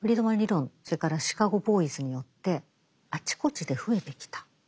それからシカゴ・ボーイズによってあちこちで増えてきた。